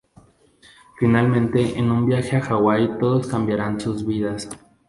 Finalmente en un viaje a Hawái todos cambiarán sus vidas.